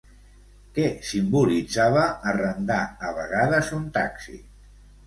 Què simbolitzava arrendar a vegades un taxi?